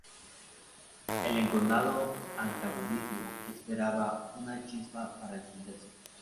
El enconado antagonismo esperaba una chispa para encenderse.